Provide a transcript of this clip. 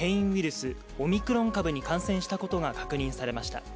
スオミクロン株に感染したことが確認されました。